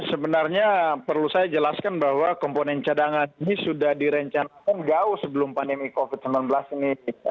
sebenarnya perlu saya jelaskan bahwa komponen cadangan ini sudah direncanakan jauh sebelum pandemi covid sembilan belas ini